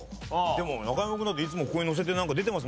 でも中山君なんていつもここにのせてなんか出てます